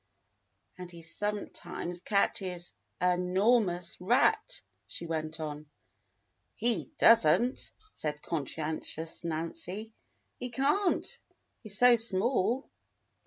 And he sometimes catches a 'normous rat," — she went on. "He does n't," said conscientious Nancy. "He can't, he's so small."